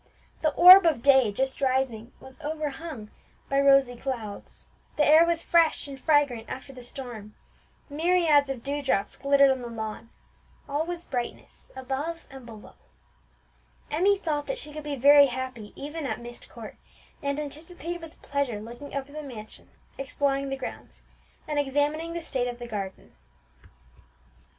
The orb of day, just rising, was overhung by rosy clouds; the air was fresh and fragrant after the storm; myriads of dew drops glittered on the lawn; all was brightness above and below! Emmie thought that she could be very happy even at Myst Court, and anticipated with pleasure looking over the mansion, exploring the grounds, and examining the state of the garden.